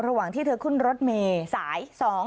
ระหว่างที่เธอขึ้นรถเมย์สาย๒๔